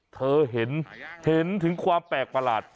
เธอเห็นเห็นถึงความแปลกประหลาด